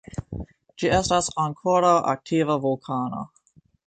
Ĝi estas ankoraŭ aktiva vulkano.